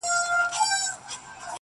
یوه ورځ کفن کښ زوی ته ویل ګرانه،